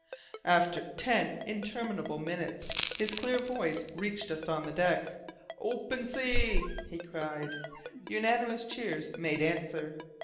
After ten interminable minutes his clear voice reached us on the deck. "Open sea!" he cried. Unanimous cheers made answer.